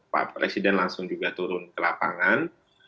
pak presiden langsung juga turun ke lapangan